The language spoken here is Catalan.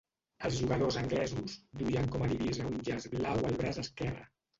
Els jugadors anglesos duien com a divisa un llaç blau al braç esquerre.